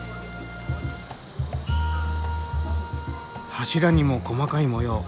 柱にも細かい模様。